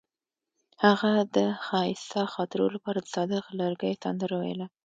هغې د ښایسته خاطرو لپاره د صادق لرګی سندره ویله.